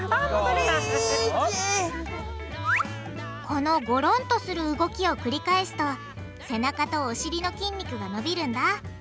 このゴロンとする動きを繰り返すと背中とお尻の筋肉が伸びるんだ。